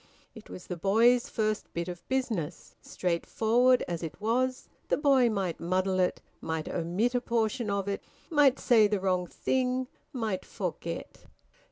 It was the boy's first bit of business. Straightforward as it was, the boy might muddle it, might omit a portion of it, might say the wrong thing, might forget.